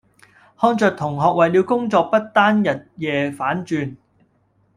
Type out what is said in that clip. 看著同學為了工作不單日夜反轉